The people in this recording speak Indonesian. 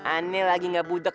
aneh lagi gak budak